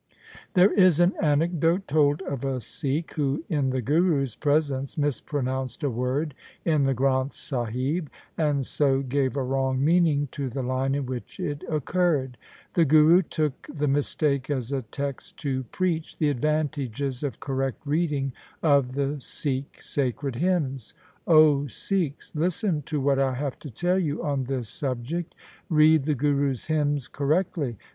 There is an anecdote told of a Sikh who in the Guru's presence mispronounced a word in the Granth Sahib, and so gave a wrong meaning to the line in which it occurred. The Guru took the mis take as a text to preach the advantages of correct reading of the Sikh sacred hymns. 1 O Sikhs, listen to what I have to tell you on this subject. Read the Gurus' hymns correctly.